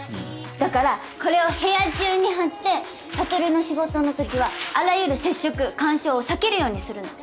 だからこれを部屋中に張って悟の仕事のときはあらゆる接触干渉を避けるようにするの。